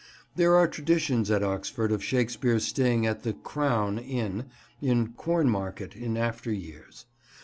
There are traditions at Oxford of Shakespeare's staying at the "Crown" inn in the Cornmarket in after years.